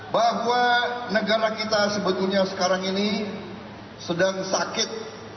bahwa negara kita sebetulnya sekarang ini sedang sakit